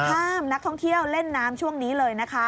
ห้ามนักท่องเที่ยวเล่นน้ำช่วงนี้เลยนะคะ